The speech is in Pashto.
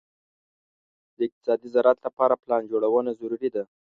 د اقتصادي زراعت لپاره پلان جوړونه ضروري ده.